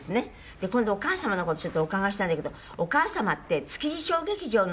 で今度お母様の事ちょっとお伺いしたいんだけどお母様って築地小劇場の女優さんでいらしたんですって？